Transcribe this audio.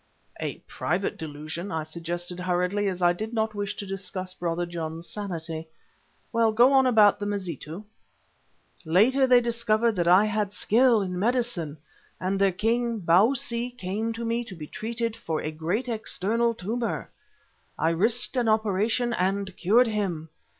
"A private delusion," I suggested hurriedly, as I did not wish to discuss Brother John's sanity. "Well, go on about the Mazitu." "Later they discovered that I had skill in medicine, and their king, Bausi, came to me to be treated for a great external tumour. I risked an operation and cured him.